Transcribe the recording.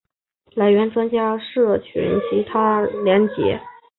来源专家社群其他连结